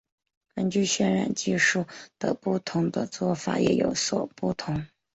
根据渲染技术的不同这个做法也有所不同。